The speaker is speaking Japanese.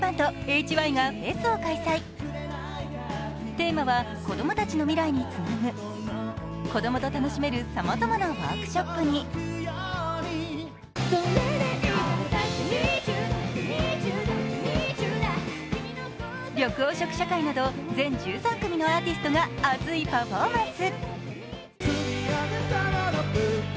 テーマは子供たちの未来につなぐ子供と楽しめるさまざまなワークショップに緑黄色社会など全１３組のアーティストが熱いパフォーマンス。